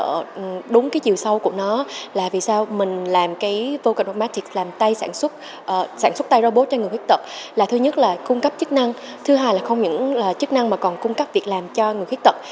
và đúng cái chiều sâu của nó là vì sao mình làm cái volcanomatics làm tay sản xuất sản xuất tay robot cho người khuyết tật là thứ nhất là cung cấp chức năng thứ hai là không những là chức năng mà còn cung cấp việc làm cho người khuyết tật